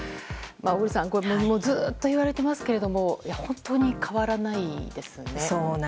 小栗さん、これずっと言われてますけど本当に変わらないですよね。